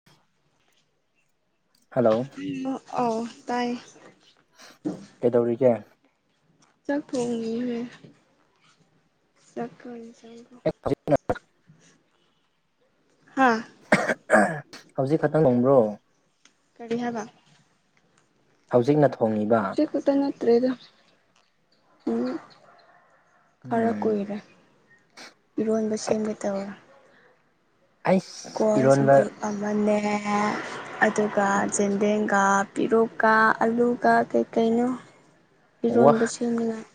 [unintelligible] Hello ꯎꯝ ꯑꯣ ꯇꯥꯏꯌꯦ ꯀꯩꯗꯧꯔꯤꯒꯦ ꯆꯥꯛ ꯊꯣꯡꯉꯤꯍꯦ [unintelligible] [unintelligible] ꯍꯥꯥ ꯍꯧꯖꯤꯛ ꯈꯛꯇꯪ ꯑꯣꯡꯕ꯭ꯔꯣ ꯀꯔꯤ ꯍꯥꯏꯕ ꯍꯧꯖꯤꯛꯅ ꯊꯣꯡꯉꯤꯕ ꯇ ꯅꯠꯇ꯭ꯔꯦꯗ ꯎꯝ ꯎꯝ ꯈꯔ ꯎꯝ ꯀꯨꯏꯔꯦ ꯏꯔꯣꯟꯕ ꯁꯦꯝꯒꯦ ꯇꯧꯔꯦ ꯑꯩꯁ ꯁꯀꯣꯁ ꯏꯔꯣꯟꯕ ꯆꯝꯐꯨꯠ ꯑꯃꯅꯦ ꯑꯗꯨꯒ ꯖꯦꯟꯗꯦꯝ ꯀꯥ ꯄꯤꯔꯨꯛꯀꯥ ꯑꯂꯨꯒ ꯀꯩꯀꯩꯅꯣ ꯏꯔꯣꯟꯕ ꯁꯦꯝꯅꯤꯡꯉꯥꯏ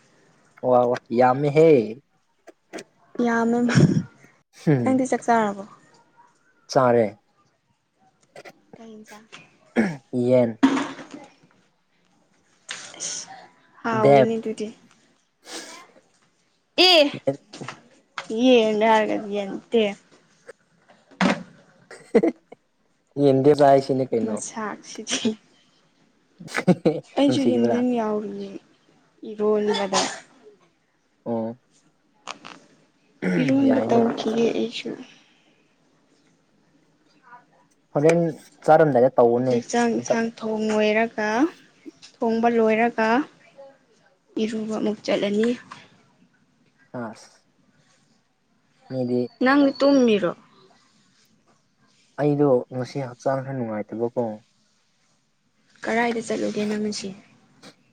ꯑꯣꯋꯥ ꯋꯥ ꯌꯝꯃꯦꯍꯦ ꯌꯥꯝꯃꯦ ꯎꯝ ꯅꯪꯗꯤ ꯆꯥꯛꯆꯥꯥꯔꯕꯣ ꯆꯥꯔꯦ ꯀꯩ ꯏꯟꯖꯥꯡ ꯎꯝ ꯌꯦꯟ ꯑꯁ ꯗꯦꯝ ꯍꯥꯎꯋꯤꯅꯦ ꯑꯗꯨꯗꯤ ꯑꯤ ꯌꯦꯟꯅꯦ ꯍꯥꯏꯔꯒ ꯌꯦꯟꯇꯦꯝ ꯍꯦ ꯍꯦ ꯌꯦꯟꯗ ꯆꯥꯏꯁꯤꯅꯦ ꯀꯩꯅꯣ ꯃꯁꯥꯛ ꯁꯤꯗꯤ [unintelligible] ꯑꯩꯁꯨ ꯅꯨꯡꯁꯤꯕ꯭ꯔꯥ ꯌꯦꯟꯗꯦꯝ ꯌꯥꯎꯔꯤꯌꯦ ꯏꯔꯣꯟꯕꯗ ꯑꯣ ꯏꯔꯣꯟꯕ ꯌꯥꯏꯅꯦ ꯇꯧꯈꯤꯒꯦ ꯑꯩꯁꯨ ꯐꯖꯟ ꯆꯔꯝꯗꯥꯂꯦ ꯍꯧꯖꯤꯛ ꯆꯥꯛ ꯏꯟꯁꯥꯡ ꯊꯣꯡ ꯂꯣꯏꯔꯒ ꯊꯣꯡꯕ ꯂꯣꯏꯔꯒ ꯏꯔꯨꯕ ꯑꯃꯨꯛ ꯆꯠꯂꯅꯤ ꯑꯥ [unintelligible] ꯅꯪꯗꯤ ꯇꯨꯝꯃꯤꯔꯣ ꯑꯩꯗꯣ ꯉꯁꯤ ꯍꯛꯆꯥꯡ ꯈꯔ ꯅꯨꯡꯉꯥꯏꯇꯕꯀꯣ ꯀꯗꯥꯥꯏꯗ ꯆꯠꯂꯨꯒꯦ ꯅꯪꯁꯤ ꯉꯁꯤ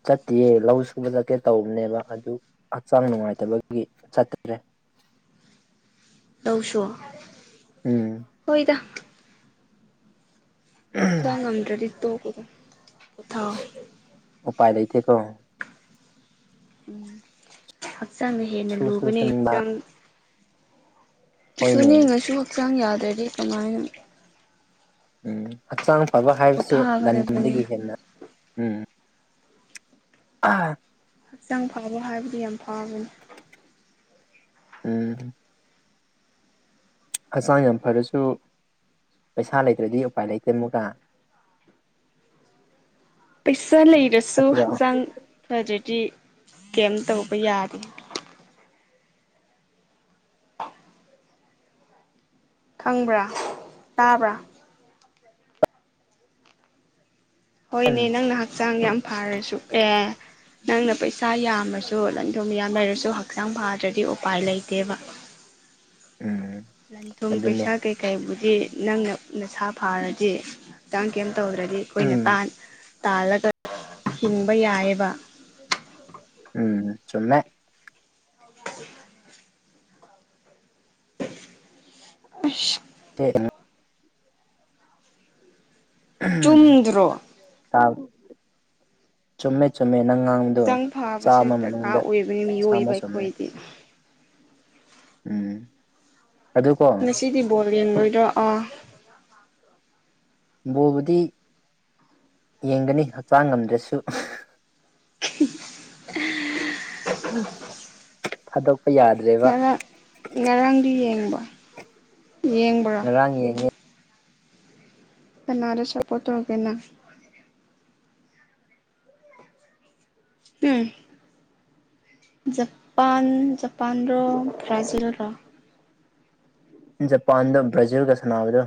ꯆꯠꯇꯤꯌꯦ ꯂꯧ ꯁꯨꯕ ꯆꯠꯀꯦ ꯇꯧꯕꯅꯦꯕ ꯑꯗꯨ ꯍꯛꯆꯥꯡ ꯅꯨꯡꯉꯥꯏꯇꯕꯒꯤ ꯆꯠꯇ꯭ꯔꯦ ꯂꯧꯁꯨ ꯎꯝ ꯍꯣꯏꯗ ꯆꯠꯉꯝꯗ꯭ꯔꯗꯤ ꯇꯣꯛꯑꯣꯀꯣ ꯄꯣꯊꯥꯎ ꯎꯄꯥꯏ ꯂꯩꯇꯦꯀꯣ ꯎꯝ ꯍꯛꯆꯥꯡꯅ ꯍꯦꯟꯅ ꯁꯨꯁꯨ ꯂꯨꯕꯅꯤ ꯁꯨꯅꯤꯡꯕ ꯆꯥꯡ ꯍꯣꯏꯅꯦ ꯁꯨꯅꯤꯡꯉꯁꯨ ꯍꯛꯆꯥꯡ ꯌꯥꯗ꯭ꯔꯗꯤ ꯀꯃꯥꯏꯅ ꯎꯝ ꯍꯛꯆꯥꯡ ꯐꯕ ꯍꯥꯏꯕꯁꯦ ꯄꯣꯊꯥꯒꯗꯕꯅꯤ ꯂꯟꯊꯨꯝꯗꯒꯤ ꯍꯦꯟꯅ ꯎꯝ꯫ ꯑꯥ ꯍꯛꯆꯥꯡ ꯐꯕ ꯍꯥꯏꯕꯗꯤ ꯌꯥꯝ ꯐꯕꯅꯤ꯫ ꯎꯝ ꯍꯛꯆꯥꯡ ꯌꯥꯝ ꯐꯔꯁꯨ ꯄꯩꯁꯥ ꯂꯩꯇ꯭ꯔꯗꯤ ꯎꯄꯥꯏ ꯂꯩꯇꯦ ꯑꯃꯨꯛꯀ꯫ [inaudible] ꯄꯩꯁꯥ ꯂꯩꯔꯁꯨ ꯅꯠꯇ꯭ꯔꯣ ꯍꯛꯆꯥꯡ ꯐꯗ꯭ꯔꯗꯤ ꯀꯩꯃ ꯇꯧꯕ ꯌꯥꯗꯦ꯫ [inaudible] ꯈꯪꯕ꯭ꯔꯥ ꯇꯥꯕ꯭ꯔꯥ ꯎꯝ ꯍꯣꯏꯅꯦ ꯅꯪꯅ ꯍꯛꯆꯥꯡ ꯌꯥꯝ ꯐꯔꯁꯨ ꯑꯦ ꯅꯪꯅ ꯄꯩꯁꯥ ꯌꯥꯝꯃꯁꯨ ꯂꯟꯊꯨꯝ ꯌꯥꯝ ꯂꯩꯔꯁꯨ ꯍꯛꯆꯥꯡ ꯐꯗ꯭ꯔꯗꯤ ꯎꯄꯥꯏ ꯂꯩꯇꯦꯕ꯫ ꯎꯝ ꯂꯟ ꯊꯨꯝ ꯑꯗꯨꯅꯦ ꯄꯩꯁꯥ ꯈꯩ ꯀꯩꯕꯨꯗꯤ ꯅꯪꯅ ꯅꯁꯥ ꯐꯥꯔꯗꯤ ꯍꯛꯆꯥꯡ ꯀꯩꯝ ꯇꯧꯗ꯭ꯔꯗꯤ ꯑꯩꯈꯣꯏꯅ ꯎꯝ ꯇꯥꯟ ꯇꯥꯜꯂꯒ ꯍꯤꯡꯕ ꯌꯥꯏꯑꯦꯕ꯫ ꯎꯝ ꯆꯨꯝꯃꯦ꯫ [inaudible] ꯑꯁ ꯇꯦ [unintelligible] ꯑꯍꯝ ꯆꯨꯝꯗ꯭ꯔꯣ ꯇꯥꯕꯔꯣ ꯆꯨꯝꯃꯦ꯫ ꯆꯨꯝꯃꯦ ꯅꯪ ꯉꯥꯡꯕꯗꯣ ꯍꯛꯆꯥꯡ ꯐꯕꯁꯦ ꯆꯥꯝꯃ ꯗꯔꯀꯥꯔ ꯃꯅꯨꯡꯗ ꯑꯣꯏꯕꯅꯤ ꯆꯥꯝꯃ ꯃꯤꯑꯣꯏꯕ ꯆꯨꯝꯃꯦ꯫ ꯑꯩꯈꯣꯏꯗꯤ ꯎꯝ ꯑꯗꯨꯀꯣ ꯉꯁꯤꯗꯤ ꯕꯣꯜ ꯌꯦꯡꯉꯣꯏꯗ꯭ꯔꯣ ꯑꯥ ꯕꯣꯜꯕꯨꯗꯤ ꯌꯦꯡꯒꯅꯤ ꯍꯛꯆꯥꯡ ꯉꯝꯗ꯭ꯔꯁꯨ꯫ ꯑ ꯑ ꯍꯥꯏꯗꯣꯛꯄ ꯌꯥ ꯉꯔꯥꯡ ꯉꯔꯥꯡꯗꯤ ꯌꯦꯡꯕꯣ ꯌꯦꯡ ꯉꯔꯥꯡ ꯌꯦꯡꯉꯦ꯫ ꯀꯅꯥꯗ ꯁꯄꯣꯔꯠ ꯇꯧꯒꯦ ꯅꯪ ꯫ ꯍꯝ ꯖꯄꯥꯟ ꯖꯄꯥꯟꯔꯣ ꯕ꯭ꯔꯥꯖꯤꯜꯔꯣ ꯫ ꯖꯄꯥꯟꯗ ꯕ꯭ꯔꯥꯖꯤꯜꯒ ꯁꯥꯟꯅꯕꯗꯣ꯫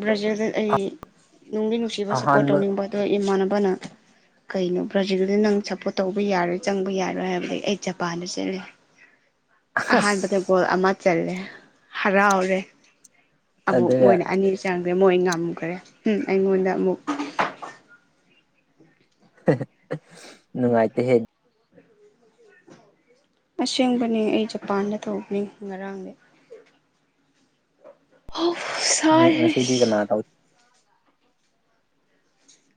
ꯕ꯭ꯔꯥꯖꯤꯜꯗ ꯑꯩ ꯅꯨꯡꯗꯤ ꯅꯨꯡꯁꯤꯕ ꯁꯞꯄꯣꯔꯠ ꯑꯍꯥꯟꯕ ꯇꯧꯅꯤꯡꯕ ꯑꯗꯣ ꯏꯃꯥꯟꯅꯕꯅ ꯀꯩꯅꯣ ꯕ꯭ꯔꯥꯖꯤꯜꯗ ꯅꯪ ꯁꯞꯄꯣꯔꯠ ꯇꯧꯕ ꯌꯥꯔꯣꯏ ꯆꯪꯕ ꯌꯥꯔꯣꯏ ꯍꯥꯏꯕꯗꯒꯤ ꯑꯩ ꯖꯄꯥꯟꯗ ꯆꯠꯂꯦ꯫ [inaudible] ꯑꯍꯥꯟꯕꯗ ꯑꯁ ꯒꯣꯜ ꯑꯃ ꯆꯜꯂꯦ ꯍꯔꯥꯎꯔꯦ ꯑꯃꯨꯛ ꯑꯗꯨꯒ ꯃꯣꯏꯅ ꯑꯅꯤ ꯆꯟꯒꯔꯦ ꯃꯣꯏ ꯉꯝꯒ꯭ꯔꯦ ꯍꯨꯝ ꯑꯩꯉꯣꯟꯗ ꯑꯃꯨꯛ꯫ ꯍꯦ ꯍꯦ ꯅꯨꯡꯉꯥꯏꯇꯦ ꯍꯦ ꯑꯁꯦꯡꯕꯅꯦ ꯑꯩ ꯖꯄꯥꯟꯗ ꯇꯧꯕꯅꯤ ꯉꯔꯥꯡꯗꯤ꯫ ꯑꯣꯐ ꯉꯁꯤꯗꯤ ꯁꯥꯏꯍꯦꯁ ꯀꯅꯥ ꯇꯧ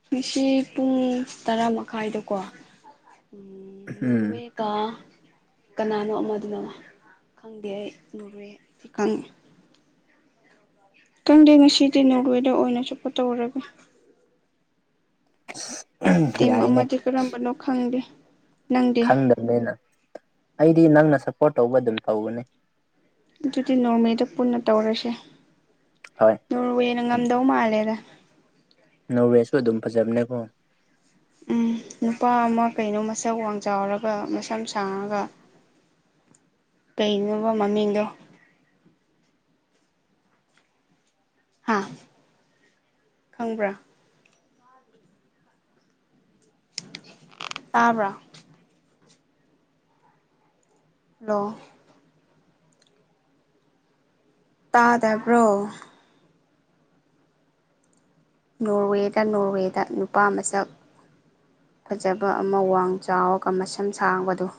ꯉꯁꯤ ꯄꯨꯡ ꯇꯔꯥꯃꯈꯥꯏꯗꯀꯣ ꯎꯝ ꯀ ꯀꯅꯥꯅꯣ ꯑꯃꯗꯨꯅ ꯈꯪꯗꯦ ꯑꯩ ꯅꯣꯔꯋꯦ ꯗꯤ ꯈꯪꯉꯤ꯫ ꯈꯪꯗꯦ ꯉꯁꯤꯗꯤ ꯅꯣꯔꯋꯦꯗ ꯑꯣꯏꯅ ꯁꯞꯄꯣꯔꯠ ꯇꯧꯔꯒꯦ꯫ ꯁ ꯇꯤꯝ ꯑꯃꯗꯤ ꯀꯔꯝꯕꯅꯣ ꯈꯪꯗꯦ ꯅꯪꯗꯤ꯫ ꯑꯗꯨꯗꯩꯩꯅ ꯑꯩꯗꯤ ꯅꯪꯅ ꯁꯞꯄꯣꯔꯠ ꯇꯧꯕ ꯑꯗꯨꯝ ꯇꯧꯒꯅꯤ꯫ ꯑꯗꯨꯗꯤ ꯅꯣꯔꯃꯦꯗ ꯄꯨꯟꯅ ꯇꯧꯔꯁꯦ ꯍꯣꯏ ꯅꯣꯔꯋꯦꯅ ꯉꯝꯗꯧ ꯃꯥꯜꯂꯦꯗ꯫ ꯅꯣꯔꯋꯦꯁꯨ ꯑꯗꯨꯝ ꯐꯖꯕꯅꯦ ꯀꯣ ꯎꯝ ꯅꯨꯄꯥ ꯑꯃꯥ ꯀꯩꯅꯣ ꯃꯁꯥ ꯋꯥꯡ ꯆꯥꯎꯔꯒ ꯃꯁꯝ ꯁꯥꯡꯉꯒ ꯀꯩꯅꯣꯕ ꯃꯥꯃꯤꯡꯗꯣ ꯍꯥ ꯈꯪꯕ꯭ꯔꯥ ꯇꯥꯕ꯭ꯔꯥ ꯍꯜꯂꯣ ꯇꯥꯗꯕ꯭ꯔꯣ ꯅꯣꯔꯋꯦꯗ ꯅꯣꯔꯋꯦꯗ ꯅꯨꯄꯥ ꯃꯁꯛ ꯐꯖꯕ ꯑꯃꯥ ꯋꯥꯡ ꯆꯥꯎꯔꯒ ꯃꯁꯝ ꯁꯥꯡꯕꯗꯨ